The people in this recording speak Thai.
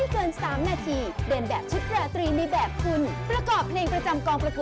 เขาแบบเฮ้ยโอเคมากอะ